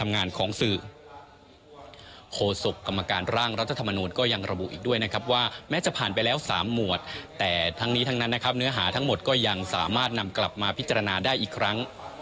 เนื้อหาทั้งหมดก็ยังสามารถนำกลับมาพิจารณาได้อีกครั้ง